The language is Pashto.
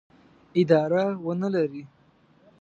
اداره ونه لري.